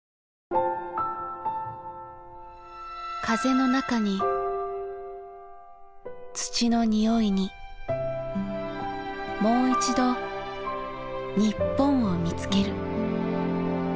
風の中に土の匂いにもういちど日本を見つける。